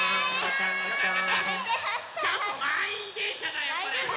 ちょっとまんいんでんしゃだよこれ。